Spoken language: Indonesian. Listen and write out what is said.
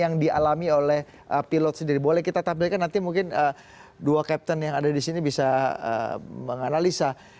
captain yang ada di sini bisa menganalisa